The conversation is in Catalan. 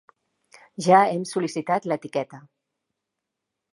Ja hem sol·licitat l'etiqueta.